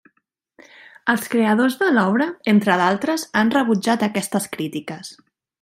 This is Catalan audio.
Els creadors de l'obra, entre d'altres, han rebutjat aquestes crítiques.